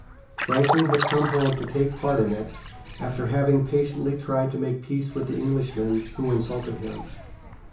Franklin had come home to take part in it, after having patiently tried to make peace with the Englishmen, who insulted him.